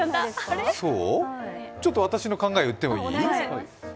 ちょっと私の考えを言ってもいい？